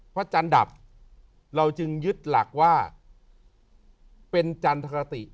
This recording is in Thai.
พระจันทร์ดับเราจึงยึดหลักว่าเป็นจรรย์ธรรมคติ